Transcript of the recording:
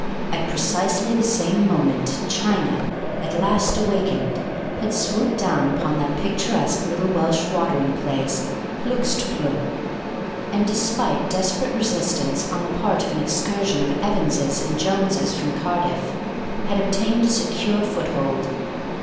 At precisely the same moment China, at last awakened, had swooped down upon that picturesque little Welsh watering place, Lllgxtplll, and, despite desperate resistance on the part of an excursion of Evanses and Joneses from Cardiff, had obtained a secure foothold.